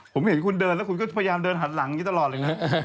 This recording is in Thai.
ผมเห็นคุณเดินแล้วคุณก็พยายามเดินหันหลังอย่างนี้ตลอดเลยนะ